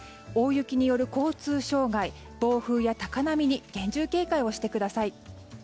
大雪による交通障害暴風や高波に厳重警戒をしてください。